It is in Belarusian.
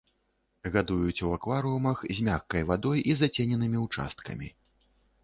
Гадуюць у акварыумах з мяккай вадой і зацененымі ўчасткамі.